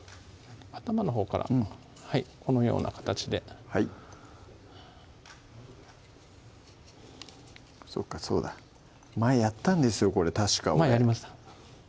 頭のほうからこのような形ではいそうかそうだ前やったんですよこれ確か前やりました？